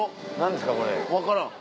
分からん。